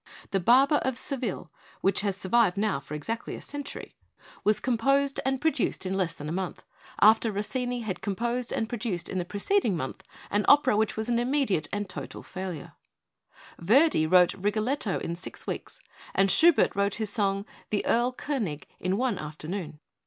The 'Barber of Seville.' which has sur vived for now exactly a century, was composed 213 ON WORKING TOO MUCH AND WORKING TOO FAST and produced in less than a month, after Ros sini had composed and produced in the preced ing month an opera which was an immediate and total failure. Verdi wrote 'Rigoletto' in six weeks; and Schubert wrote his song, the 'Erl Konig/ in one afternoon.